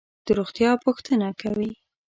د روغتیا پوښتنه کوي.